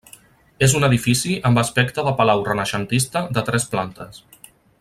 És un edifici amb aspecte de palau renaixentista de tres plantes.